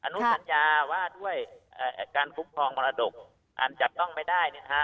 อนุญาต์ว่าด้วยเอ่อการคุ้มครองมรดกอันจัดต้องไปได้เนี่ยฮะ